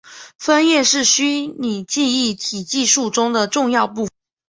分页是虚拟记忆体技术中的重要部份。